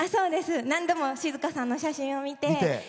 なんでも静香さんの写真を見て。